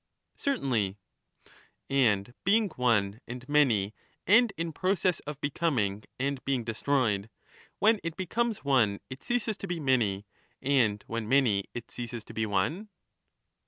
Certainly. And being one and many and in process of becoming and being destroyed, when it becomes one it ceases to be many, and when many, it ceases to be one